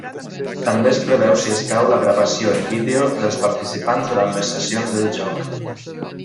També es preveu si escau la gravació en vídeo dels participants durant les sessions del joc.